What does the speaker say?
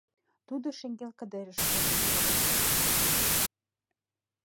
Тудо шеҥгел кыдежыш куржын пурыш.